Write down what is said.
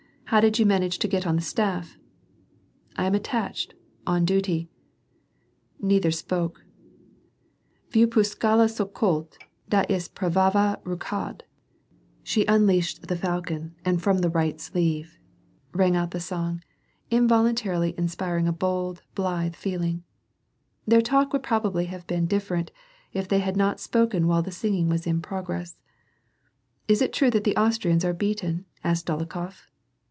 How did you manage to get on the BtaflF ?"" I am attached — on duty." Neither spoke. " Vuipuskdta aokold Da iz prdvava rukavd • rang out the song, involuntarily inspiring a bold, blithe feeling. Their talk would probably have been different, if they had not spoken while the singing was in progress. "Is it true that the Austrians are beaten?" asked Dolok hof.